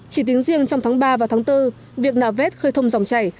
chỉ tính riêng trong tháng ba và tháng bốn việc nạo vét khơi thông dòng chảy